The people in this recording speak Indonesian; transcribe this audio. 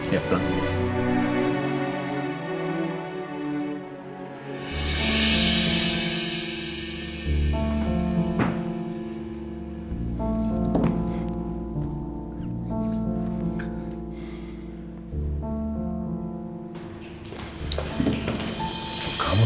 ya pulang dulu